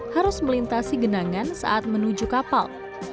harus melintasi genangan saat menuju kapal